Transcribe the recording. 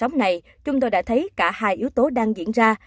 trong thời gian này chúng tôi đã thấy cả hai yếu tố đang diễn ra